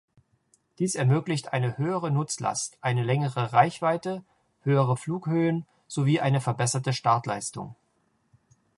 Dies ermöglicht eine höhere Nutzlast, eine längere Reichweite, höhere Flughöhen sowie eine verbesserte Startleistung.